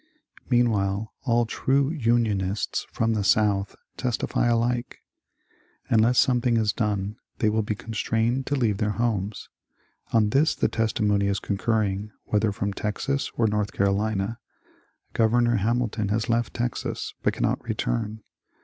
Meanwhile all true Unionists from the South testify alike. Unless something is done they will be constrained to leave their homes. On this the testimony is concurring, whether from Texas or N. Carolina. Gov. Ham ilton has left Texas, but cannot return.